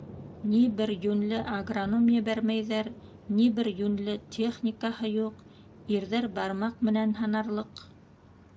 Ни бер йүнле агроном ебәрмәйҙәр, ни бер йүнле техникаһы юҡ, ирҙәр - бармаҡ менән һанарлыҡ.